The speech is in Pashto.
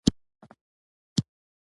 د ښه ژوند د پاره کار اړين دی